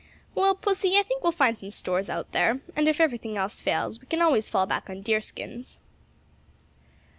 "Well, pussy, I think we'll find some stores out there; and if everything else fails we can always fall back on deerskins."